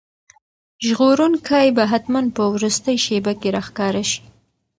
ژغورونکی به حتماً په وروستۍ شېبه کې راښکاره شي.